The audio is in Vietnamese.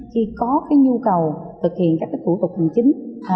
khi có cái nhu cầu thực hiện các cái thủ tục hành chính